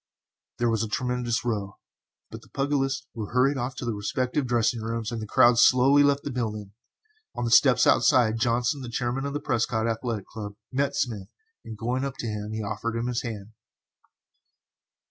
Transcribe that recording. There was a tremendous row, but the pugilists were hurried off to their respective dressing rooms, and the crowd slowly left the building. On the steps outside, Johnson, the chairman of the Prescott Athletic Club, met Smith, and, going up to him, he offered him his hand.